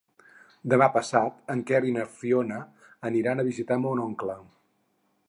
Demà passat en Quer i na Fiona aniran a visitar mon oncle.